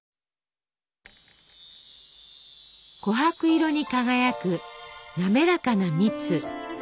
琥珀色に輝く滑らかな蜜。